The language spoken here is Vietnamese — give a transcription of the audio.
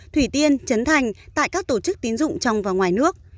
thủy tiên trấn thành tại các tổ chức tín dụng trong và ngoài nước